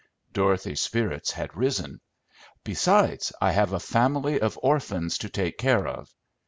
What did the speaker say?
Dorothy's spirits had risen. "Besides, I have a family of orphans to take care of.